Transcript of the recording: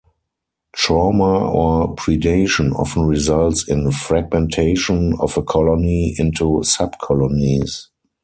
Trauma or predation often results in fragmentation of a colony into subcolonies.